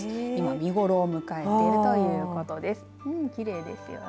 今、見頃を迎えているということです。